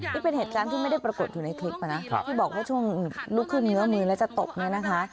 นี่เป็นเหตุการณ์ที่ไม่ได้ปรากฏอยู่ในคลิปนะที่บอกว่าช่วงลุกขึ้นเงื้อมือแล้วจะตบเนี่ยนะคะ